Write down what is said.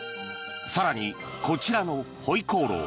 更に、こちらのホイコーロー。